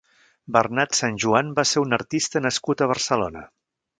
Bernat Sanjuan va ser un artista nascut a Barcelona.